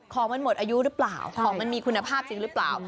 ของมันหมดอายุหรือเปล่าของมันมีคุณภาพจริงหรือเปล่า